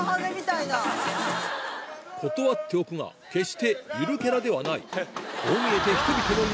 断っておくが決してゆるキャラではないこう見えて人々の